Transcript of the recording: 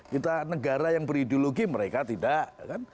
kita negara yang berideologi mereka tidak